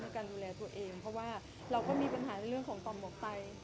การดูแลตัวเองเพราะว่าเราก็มีปัญหาในเรื่องของต่อหมกไต